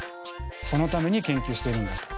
そのために研究してるんだと。